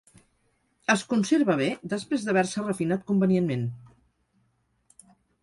Es conserva bé després d’haver-se refinat convenientment.